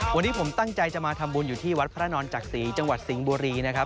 วันนี้ผมตั้งใจจะมาทำบุญอยู่ที่วัดพระนอนจักษีจังหวัดสิงห์บุรีนะครับ